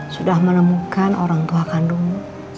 sudah menemukan orang tua kandungmu